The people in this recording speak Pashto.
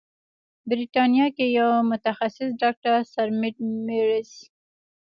بریتانیا کې یو متخصص ډاکتر سرمید میزیر